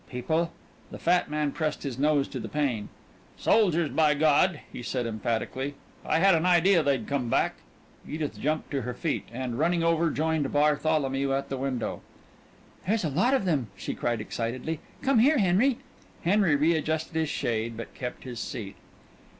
"People?" The fat man pressed his nose to the pane. "Soldiers, by God!" he said emphatically. "I had an idea they'd come back." Edith jumped to her feet, and running over joined Bartholomew at the window. "There's a lot of them!" she cried excitedly. "Come here, Henry!" Henry readjusted his shade, but kept his seat.